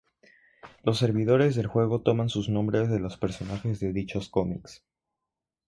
Los servidores del juego toman sus nombres de los personajes de dichos cómics.